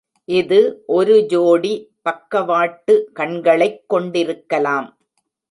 இது ஒரு ஜோடி பக்கவாட்டு கண்களைக் கொண்டிருக்கலாம்.